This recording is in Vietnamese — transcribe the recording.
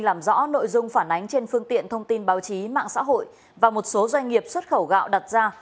làm rõ nội dung phản ánh trên phương tiện thông tin báo chí mạng xã hội và một số doanh nghiệp xuất khẩu gạo đặt ra